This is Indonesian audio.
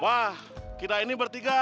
wah kita ini bertiga